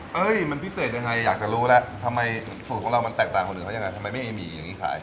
มันพิเศษยังไงอยากจะรู้แล้วทำไมสูตรของเรามันแตกต่างคนอื่นเขายังไงทำไมไม่มีหมี่อย่างนี้ขาย